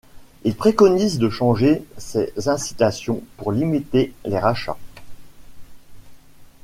Il préconise de changer ces incitations pour limiter les rachats.